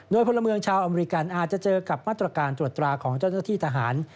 โดยพลเมืองชาวอเมริกันอาจจะเจอกับมาตรการตรวจตราของเจ้าหน้าที่ทหาร